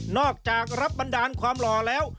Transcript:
จากรับบันดาลความหล่อแล้ว